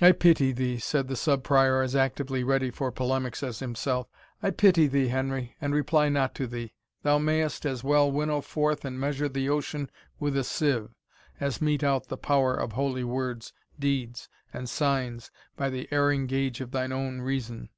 "I pity thee," said the Sub Prior, as actively ready for polemics as himself, "I pity thee, Henry, and reply not to thee. Thou mayest as well winnow forth and measure the ocean with a sieve, as mete out the power of holy words, deeds, and signs, by the erring gauge of thine own reason."